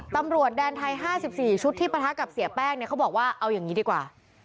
ตำรวจแดนไทย๕๔ชุดที่ปะทะกับเสียแป้งเนี่ยเขาบอกว่าเอาอย่างนี้ดีกว่า